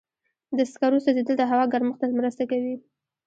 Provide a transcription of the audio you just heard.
د سکرو سوځېدل د هوا ګرمښت ته مرسته کوي.